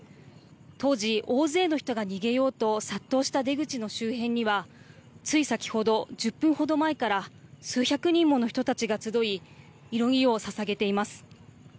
当時、大勢の人が逃げようと殺到した出口の周辺にはつい先ほど、１０分程前から数百人もの人たちが集い祈りをささげています。